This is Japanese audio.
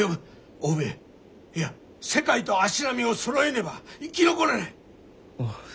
欧米いや世界と足並みをそろえねば生き残れない！